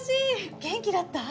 元気だった？